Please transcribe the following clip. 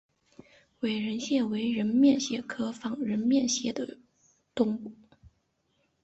仿人面蟹为人面蟹科仿人面蟹属的动物。